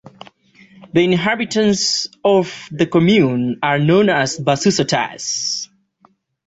The inhabitants of the commune are known as "Basusartars".